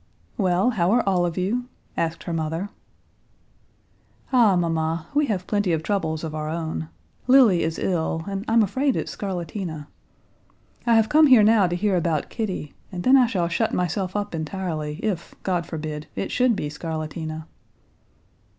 "Well, how are all of you?" asked her mother. "Ah, mamma, we have plenty of troubles of our own. Lili is ill, and I'm afraid it's scarlatina. I have come here now to hear about Kitty, and then I shall shut myself up entirely, if—God forbid—it should be scarlatina."